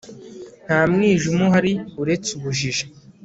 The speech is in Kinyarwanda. nta mwijima uhari uretse ubujiji